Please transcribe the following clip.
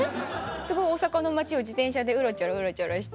すごい大阪の街を自転車でうろちょろうろちょろして。